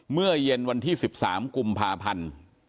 เมื่อเย็นวันที่๑๓กุมภาพันธ์